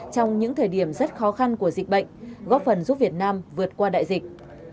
trong những thời điểm rất khó khăn của dịch bệnh góp phần giúp việt nam vượt qua đại dịch